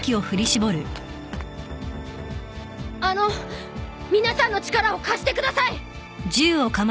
あの皆さんの力を貸してください！